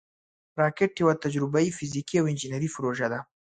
راکټ یوه تجربهاي، فزیکي او انجینري پروژه ده